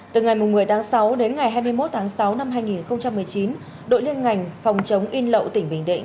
từ ngày một mươi tháng sáu đến ngày hai mươi một tháng sáu năm hai nghìn một mươi chín đội liên ngành phòng chống in lậu tỉnh bình định